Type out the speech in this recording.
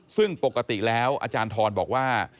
ซึ่งปกติแล้วอาจารย์ทรบอกว่า